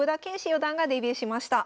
四段がデビューしました。